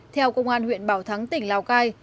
theo công an huyện bảo thắng tỉnh lào cai